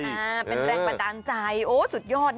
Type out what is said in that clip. เป็นแรงกำลังใจโอ้สุดยอด